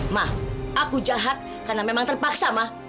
ma aku jahat karena memang terpaksa ma